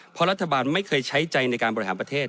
เพราะรัฐบาลไม่เคยใช้ใจในการบริหารประเทศ